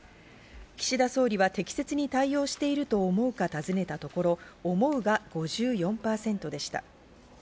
岸田総理は適切に対応してると思うか尋ねたところ、思うが５４％でした。